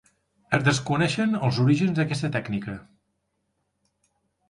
Es desconeixen els orígens d'aquesta tècnica.